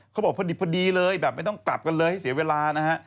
เขาบอกพอดีเลยแบบไม่ต้องกลับกันเลยให้เสียเวลานะฮะ